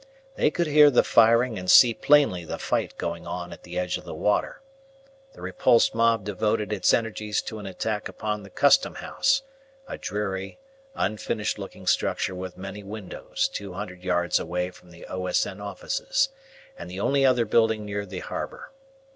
They could hear the firing and see plainly the fight going on at the edge of the water. The repulsed mob devoted its energies to an attack upon the Custom House, a dreary, unfinished looking structure with many windows two hundred yards away from the O.S.N. Offices, and the only other building near the harbour.